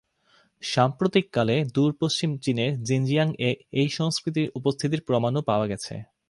সাম্প্রতিককালে, দূর-পশ্চিম চীনের জিনজিয়াং-এ এই সংস্কৃতির উপস্থিতির প্রমাণও পাওয়া গেছে।